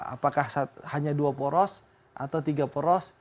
apakah hanya dua poros atau tiga poros